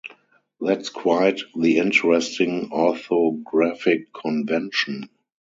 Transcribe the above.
That's quite the interesting orthographic convention.